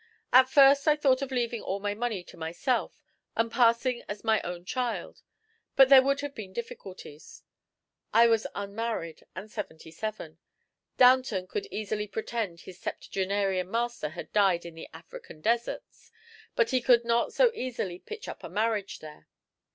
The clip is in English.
At first I thought of leaving all my money to myself and passing as my own child, but there would have been difficulties. I was unmarried and seventy seven. Downton could easily pretend his septuagenarian master had died in the African deserts, but he could not so easily patch up a marriage there.